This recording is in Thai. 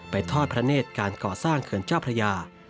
ทอดพระเนธการก่อสร้างเขื่อนเจ้าพระยา